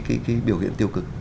cái biểu hiện tiêu cực